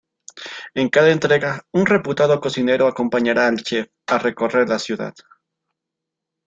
En cada entrega un reputado cocinero acompañará al chef a recorrer la ciudad.